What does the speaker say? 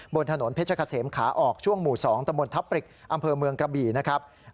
บนถนนเพชรเกษมขาออกช่วงหมู่๒ตะมนตับปริกอำเภอเมืองกระบี่นะครับ